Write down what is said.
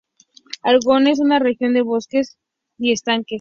Argonne es una región de bosques y estanques.